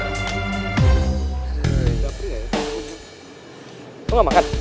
perlu dipenuhi conduit dan barang